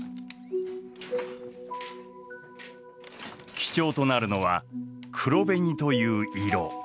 基調となるのは黒紅という色。